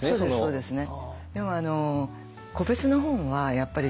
そうですよね。